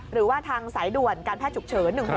หรือว่าทางสายด่วนการแพทย์ฉุกเฉิน๑๖